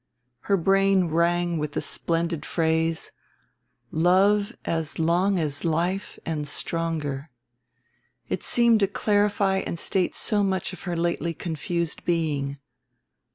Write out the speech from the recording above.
Her brain rang with the splendid phrase, "Love as long as life and stronger." It seemed to clarify and state so much of her lately confused being.